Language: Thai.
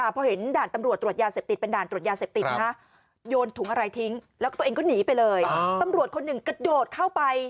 ประโยชน์คนหนึ่งกระโดดเข้าไป